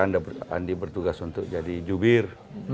andi bertugas untuk jadi jubir